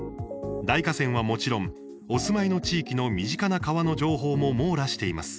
大河川はもちろんお住まいの地域の身近な川の情報も網羅しています。